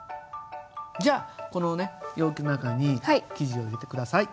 じゃあこの容器の中に生地を入れて下さい。